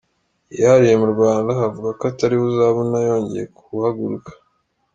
byihariye mu Rwanda avuga ko atariwe uzabona yongeye kuhagaruka.